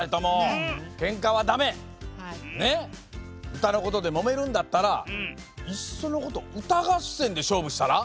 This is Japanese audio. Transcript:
うたのことでもめるんだったらいっそのことうたがっせんでしょうぶしたら？